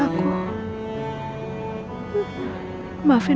belum aja di sini